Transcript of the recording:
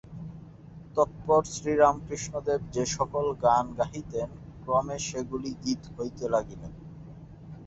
তৎপর শ্রীরামকৃষ্ণদেব যে-সকল গান গাহিতেন, ক্রমে সেগুলি গীত হইতে লাগিল।